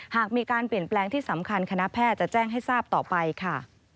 หากมีการเปลี่ยนแปลงที่สำคัญคณะแพทย์จะแจ้งให้ทราบต่อไปค่ะ